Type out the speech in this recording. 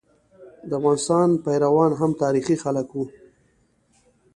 د افغانستان پيروان هم تاریخي خلک وو.